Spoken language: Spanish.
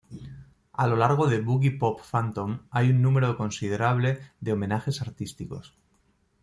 A lo largo de "Boogiepop Phantom" hay un número considerable de homenajes artísticos.